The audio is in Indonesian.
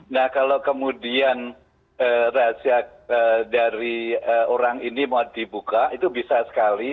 nah kalau kemudian rahasia dari orang ini mau dibuka itu bisa sekali